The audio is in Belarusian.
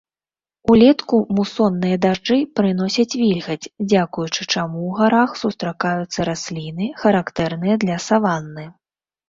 Улетку мусонныя дажджы прыносяць вільгаць, дзякуючы чаму ў гарах сустракаюцца расліны, характэрныя для саванны.